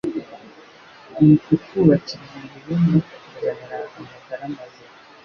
mu kutwubakira imibiri no kutuzanira amagara mazima.